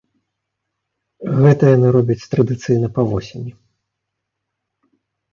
Гэта яны робяць традыцыйна па восені.